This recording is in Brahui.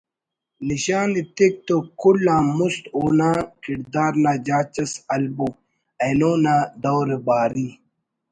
نشان ایتک تو کُل آن مست اونا کڑدار نا جاچ اس ہلبو اینو نا دورباری